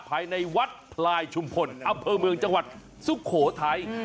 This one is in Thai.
ภายในวัดพลายชุมพลอำเภอเมืองจังหวัดสุโขทัย